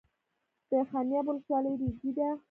د خمیاب ولسوالۍ ریګي ده